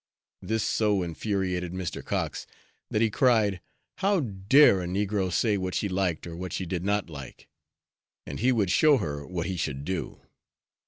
This so infuriated Mr. Cox that he cried, "How dare a negro say what she liked or what she did not like; and he would show her what he should do."